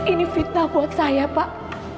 ini fitnah buat saya pak